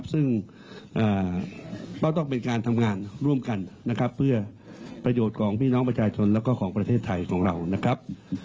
ซึ่งก็ต้องเป็นการทำงานร่วมกันนะครับเพื่อประโยชน์ของพี่น้องประชาชนแล้วก็ของประเทศไทยของเรานะครับ